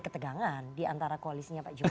ketegangan diantara koalisnya pak jokowi